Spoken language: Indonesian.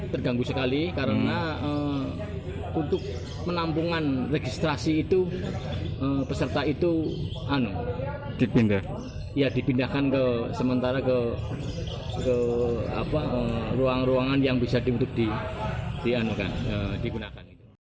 terganggu sekali karena untuk penampungan registrasi itu peserta itu dipindahkan ke sementara ke ruang ruangan yang bisa digunakan